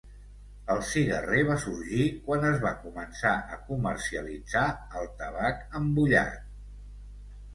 El cigarrer va sorgir quan es va començar a comercialitzar el tabac embullat.